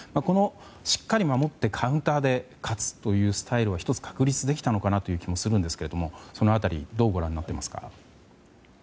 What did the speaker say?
しっかり守ってカウンターで勝つというスタイルを１つ確立できたのかなという気もしますがその辺りどうご覧になっていますか？